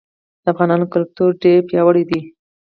د افغانانو کلتور ډير پیاوړی دی.